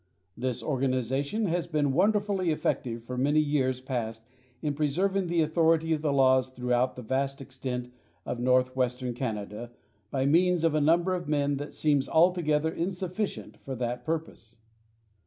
This organization has been wonderfully effective for many years past in preserving the authority of the laws throughout the vast extent of northwestern Canada by means of a number of men that seems altogether insufficient for that purpose.